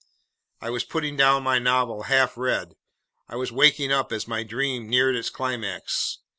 I was putting down my novel half read, I was waking up as my dream neared its climax!